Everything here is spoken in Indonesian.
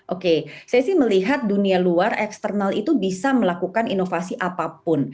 oke saya sih melihat dunia luar eksternal itu bisa melakukan inovasi apapun